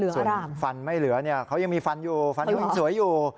ส่วนฟันไม่เหลือเขายังมีฟันอยู่ฟันอยู่ยังสวยอยู่